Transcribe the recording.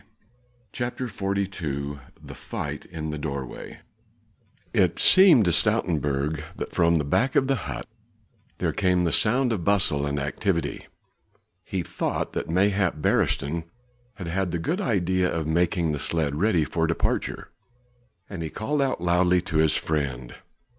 CHAPTER XLII THE FIGHT IN THE DOORWAY It seemed to Stoutenburg that from the back of the hut there came the sound of bustle and activity: he thought that mayhap Beresteyn had had the good idea of making the sledge ready for departure, and he called out loudly to his friend.